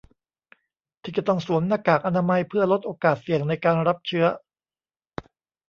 ที่จะต้องสวมหน้ากากอนามัยเพื่อลดโอกาสเสี่ยงในการรับเชื้อ